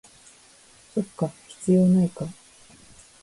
そっか、必要ないか